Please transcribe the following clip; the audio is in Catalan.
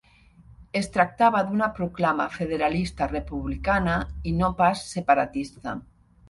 Es tractava d'una proclama federalista republicana, i no pas separatista.